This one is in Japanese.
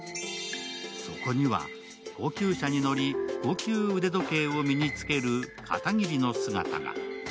そこには、高級車に乗り、高級腕時計を身につける片桐の姿が。